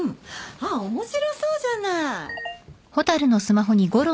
あっ面白そうじゃない。